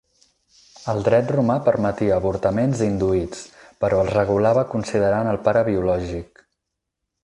El dret romà permetia avortaments induïts, però els regulava considerant el pare biològic.